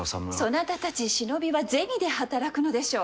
そなたたち忍びは銭で働くのでしょう。